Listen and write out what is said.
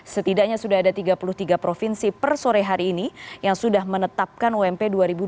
setidaknya sudah ada tiga puluh tiga provinsi per sore hari ini yang sudah menetapkan ump dua ribu dua puluh